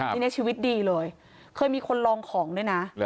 ทีนี้ชีวิตดีเลยเคยมีคนลองของด้วยนะ